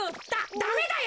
ダダメだよ！